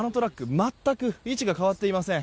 全く位置が変わっていません。